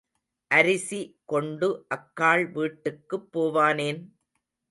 அரிசி கொண்டு அக்காள் வீட்டுக்குப் போவானேன்?